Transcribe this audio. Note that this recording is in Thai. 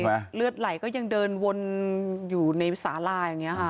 เลือดไหลก็ยังเดินวนอยู่ในสาลาอย่างนี้ค่ะ